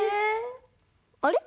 あれ？